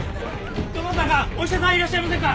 どなたかお医者さんいらっしゃいませんか！？